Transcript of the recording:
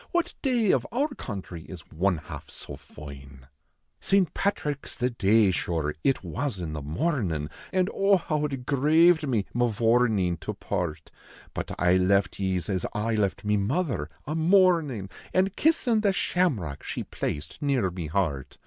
What day of our country is one half so foine ? St. Patrick s the dav, shure, it was in the mornin , An oh ! how it graved me, Mavourneen, to part ; But I left ye s as I left me mother, a mournin An kissin the shamrock she placed near me heart.